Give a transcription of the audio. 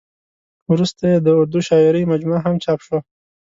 ورسته یې د اردو شاعرۍ مجموعه هم چاپ شوه.